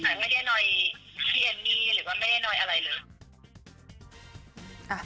ไม่ได้หน่อยพี่เอมมี่หรือว่าไม่ได้หน่อยอะไรเลย